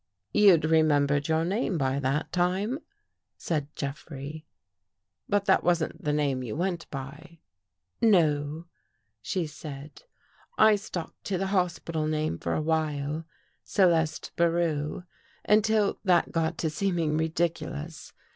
"You'd remembered your name by that time?" said Jeffrey. " But that wasn't the name you went by." " No," she said. " I stuck to the hospital name for a while — Celeste Biroux — until that got to seeming ridiculous.